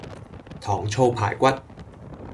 糖醋排骨